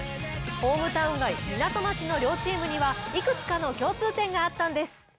ホームタウンが港町の両チームにはいくつかの共通点があったんです。